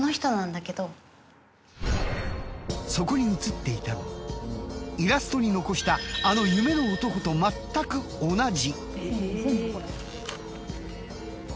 そこに写っていたのはイラストに残したあの夢の男と全く同じ。